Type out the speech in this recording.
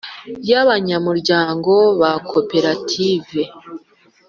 y abanyamuryango ba Koperative